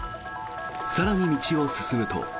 更に道を進むと。